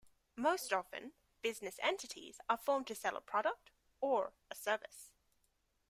Most often, business entities are formed to sell a product or a service.